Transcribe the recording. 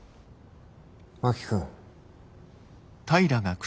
真木君。